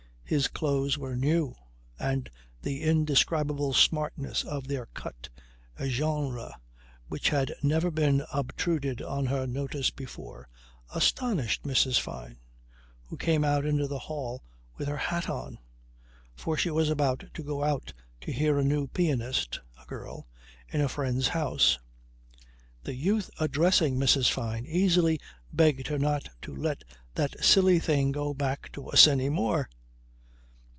His clothes were new and the indescribable smartness of their cut, a genre which had never been obtruded on her notice before, astonished Mrs. Fyne, who came out into the hall with her hat on; for she was about to go out to hear a new pianist (a girl) in a friend's house. The youth addressing Mrs. Fyne easily begged her not to let "that silly thing go back to us any more."